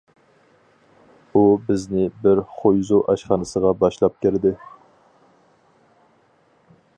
ئۇ بىزنى بىر خۇيزۇ ئاشخانىسىغا باشلاپ كىردى.